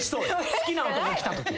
好きな男来たとき。